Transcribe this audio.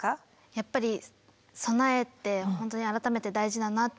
やっぱり備えって本当に改めて大事だなって思いましたし。